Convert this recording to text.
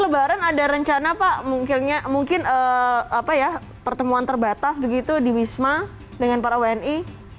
lebaran ada rencana pak mungkin pertemuan terbatas begitu di wisma dengan para wni